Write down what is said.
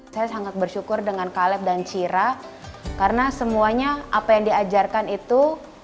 saya sangat bersyukur dengan caleb dan cira karena semuanya apa yang diajarkan itu